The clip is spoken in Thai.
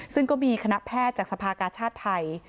ซึ่งก็มีคณะแพทย์จากสภากาชาติไทย